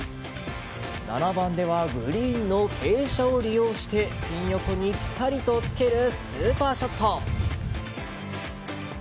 ７番ではグリーンの傾斜を利用してピン横にぴたりとつけるスーパーショット。